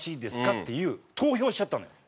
っていう投票しちゃったのよ。